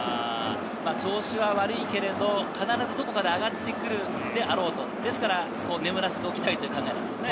調子は悪いけど、必ずどこかで上がってくるであろうと、眠らせておきたいという考えですね。